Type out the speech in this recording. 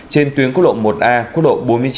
trên tuyến quốc độ một a quốc độ bốn mươi chín